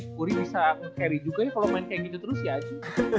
puri bisa carry juga ya kalau main kayak gitu terus ya